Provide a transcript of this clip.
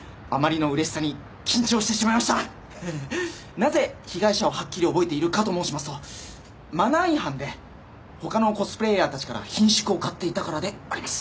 なぜ被害者をはっきり覚えているかと申しますとマナー違反で他のコスプレイヤーたちから顰蹙を買っていたからであります。